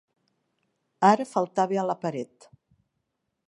Ara faltava a la paret.